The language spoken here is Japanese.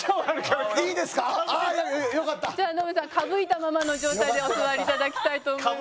じゃあノブさん歌舞いたままの状態でお座りいただきたいと思います。